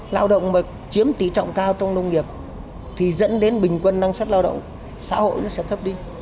lao động mà chiếm tỷ trọng cao trong nông nghiệp thì dẫn đến bình quân năng suất lao động xã hội nó sẽ thấp đi